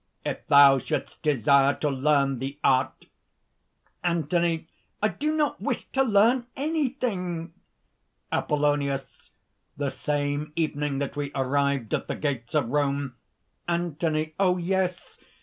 "If thou shouldst desire to learn the art ..." ANTHONY. "I do not wish to learn anything!" APOLLONIUS. "The same evening that we arrived at the gates of Rome ..." ANTHONY. "Oh! yes!